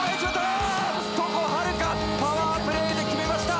床秦留可パワープレーで決めました。